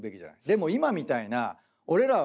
でも今みたいな俺らは。